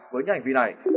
với những hành vi này